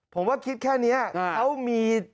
ผมว่าคิดแค่นี้เขามี